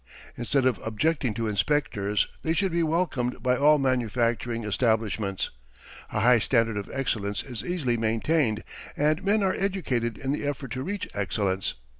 Instead of objecting to inspectors they should be welcomed by all manufacturing establishments. A high standard of excellence is easily maintained, and men are educated in the effort to reach excellence.